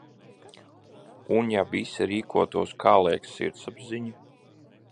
Un ja visi rīkotos, kā liek sirdsapziņa?